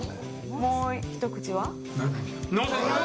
もう一口は？